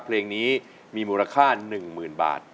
เพลงนี้มีมูลค่า๑๐๐๐บาท